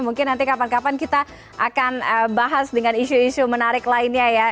mungkin nanti kapan kapan kita akan bahas dengan isu isu menarik lainnya ya